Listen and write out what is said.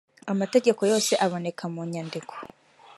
amategeko yose aboneka munyandiko.